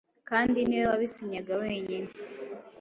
kandi niwe wabisinyaga wenyine